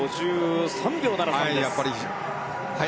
５３秒７３です。